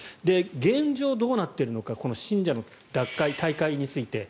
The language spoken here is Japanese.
現状どうなっているのか信者の脱会、退会について。